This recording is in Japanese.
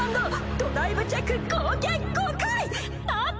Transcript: ドライブチェック合計５回！？なんて